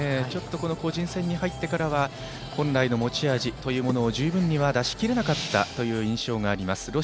個人戦に入ってからは本来の持ち味を十分には出し切れなかったという印象があります。